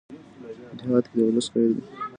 اتحاد کې د ولس خیر دی.